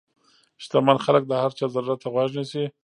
شتمن خلک د هر چا ضرورت ته غوږ نیسي.